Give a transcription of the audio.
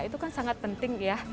itu kan sangat penting ya